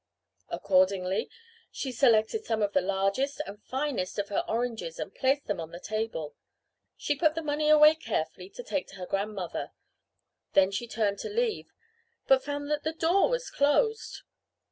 Accordingly, she selected some of the largest and finest of her oranges and placed them on the table. She put the money away carefully to take to her grandmother. Then she turned to leave, but found that the door was closed.